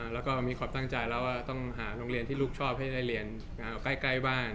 แล้วก็มีความตั้งใจแล้วว่าต้องหารลงเรียนซึ่งลูกชอบน้ำเบานะออกไกลมาก